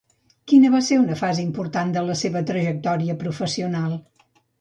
Quina va ser una fase important de la seva trajectòria professional?